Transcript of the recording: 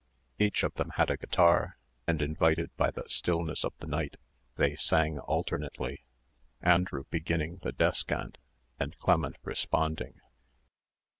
Each of them had a guitar; and invited by the stillness of the night, they sang alternately, Andrew beginning the descant, and Clement responding.